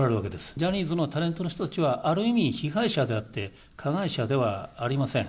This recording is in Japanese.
ジャニーズのタレントの人たちは、ある意味、被害者であって加害者ではありません。